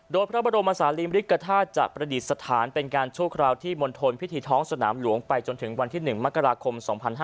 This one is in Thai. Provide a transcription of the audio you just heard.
โดยพระบรมศาลีมริกฐาตุจะประดิษฐานเป็นการชั่วคราวที่มณฑลพิธีท้องสนามหลวงไปจนถึงวันที่๑มกราคม๒๕๕๙